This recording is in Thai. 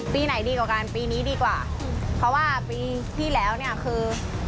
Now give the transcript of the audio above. ปีไหนดีกว่ากันปีนี้ดีกว่าเพราะว่าปีที่แล้วเนี่ยคือ